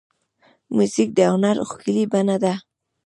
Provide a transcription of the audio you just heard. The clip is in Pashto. موزیک د هنر ښکلې بڼه ده.